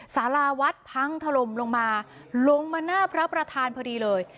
สาราวัดพังถล่มลงมาลงมาหน้าพระประธานพอดีเลย